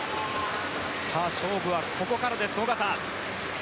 勝負はここからです、小方。